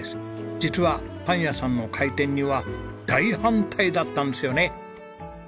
実はパン屋さんの開店には大反対だったんですよね。